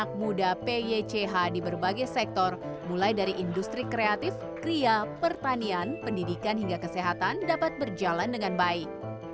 anak muda pych di berbagai sektor mulai dari industri kreatif kria pertanian pendidikan hingga kesehatan dapat berjalan dengan baik